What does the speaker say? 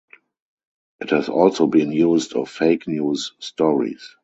It has also been used of fake news stories.